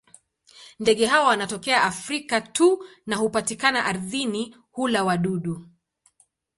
Ndege hawa wanatokea Afrika tu na hupatikana ardhini; hula wadudu.